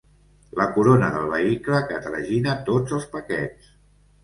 La corona del vehicle que tragina tots els paquets.